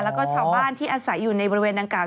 แล้วก็ชาวบ้านที่อาศัยอยู่ในบริเวณดังกล่า